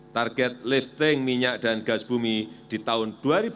target lifting minyak dan gas bumi di tahun dua ribu dua puluh